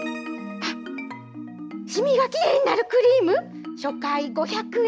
染みがきれいになるクリーム初回５００円